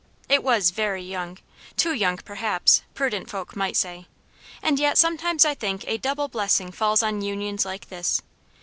It was very young too young, perhaps, prudent folk might say: and yet sometimes I think a double blessing falls on unions like this.